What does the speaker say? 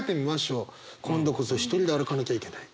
今度こそ独りで歩かなきゃいけない。